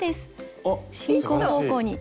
進行方向に。